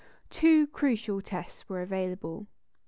Two crucial tests were available.